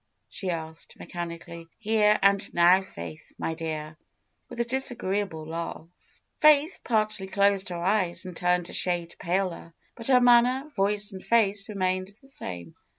she asked mechanically. '^Here and now. Faith, my dear," with a disagree able laugh. Faith partly closed her eyes and turned a shade paler, but her manner, voice and face remained the same.